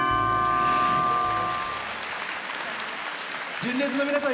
純烈の皆さん